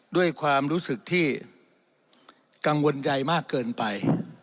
ด้วยความรู้สึกที่กังวลใจมากเกินไป